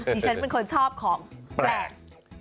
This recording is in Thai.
ดิฉันเป็นคนชอบของแปลก